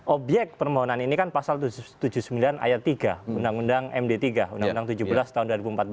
obyek permohonan ini kan pasal tujuh puluh sembilan ayat tiga undang undang md tiga undang undang tujuh belas tahun dua ribu empat belas